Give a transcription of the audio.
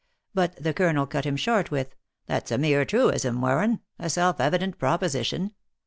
But the colonel cut him short with "That s a mere truism, Warren, a self evident proposition.